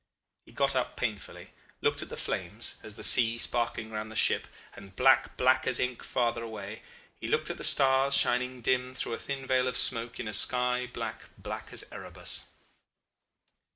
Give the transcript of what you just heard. "He got up painfully, looked at the flames, at the sea sparkling round the ship, and black, black as ink farther away; he looked at the stars shining dim through a thin veil of smoke in a sky black, black as Erebus.